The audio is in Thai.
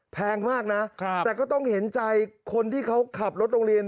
แพงมากนะแต่ก็ต้องเห็นใจคนที่เขาขับรถโรงเรียน